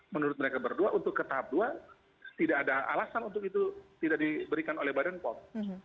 menurut mereka berdua untuk ke tahap dua tidak ada alasan untuk itu tidak diberikan oleh badan pom